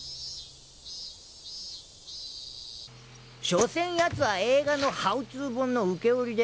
しょせんやつは映画のハウツー本の受け売りです。